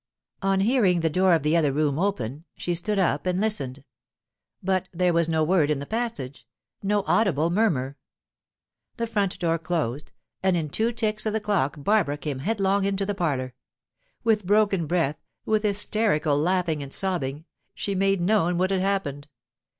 On hearing the door of the other room open, she stood up and listened. But there was no word in the passage, no audible murmur. The front door closed, and in two ticks of the clock Barbara came headlong into the parlour. With broken breath, with hysterical laughing and sobbing, she made known what had happened.